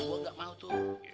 gue gak mau tuh